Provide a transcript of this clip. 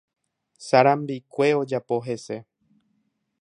Sarambikue ojapo hese